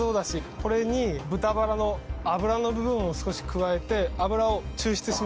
これに豚バラの脂の部分を少し加えて脂を抽出しました